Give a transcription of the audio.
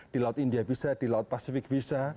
di laut india bisa di laut pasifik bisa